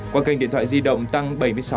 qua kênh điện thoại di động tăng bảy mươi sáu